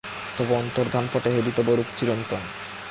তব অন্তর্ধানপটে হেরি তব রূপ চিরন্তন।